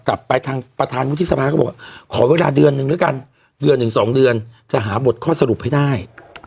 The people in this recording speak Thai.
กลับไปทางประธานวุฒิสภาก็บอกว่าขอเวลาเดือนนึงแล้วกันเดือนหนึ่งสองเดือนจะหาบทข้อสรุปให้ได้